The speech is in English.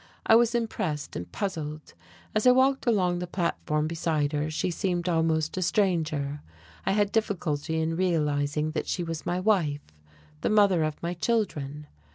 I was impressed and puzzled. As I walked along the platform beside her she seemed almost a stranger: I had difficulty in realizing that she was my wife, the mother of my children.